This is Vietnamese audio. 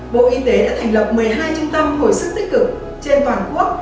bộ y tế đã thành lập một mươi hai trung tâm hồi sức tích cực trên toàn quốc